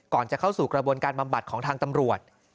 จะเข้าสู่กระบวนการบำบัดของทางตำรวจ